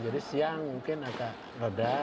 jadi siang mungkin agak reda